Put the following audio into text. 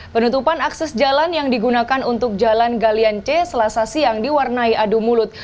penutupan akses jalan yang digunakan untuk jalan galian c selasa siang diwarnai adu mulut